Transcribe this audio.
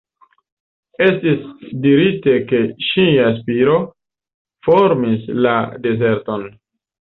Estis dirite ke ŝia spiro formis la dezerton.